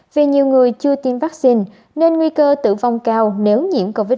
vì nhiều người chưa tiêm vaccine nên nguy cơ tử vong cao nếu nhiễm covid một mươi chín